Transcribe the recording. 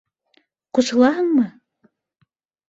- Ҡушылаһыңмы?